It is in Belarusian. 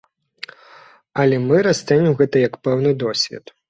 Але мы расцэньваем гэта як пэўны досвед.